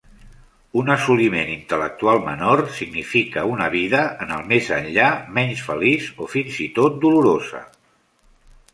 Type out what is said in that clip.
Un assoliment intel·lectual menor significa una vida en el més enllà menys feliç o fins i tot dolorosa.